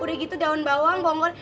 udah gitu daun bawang bonggol